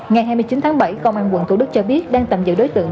ngày hai mươi chín tháng bảy công an quận thủ đức cho biết đang tạm giữ đối tượng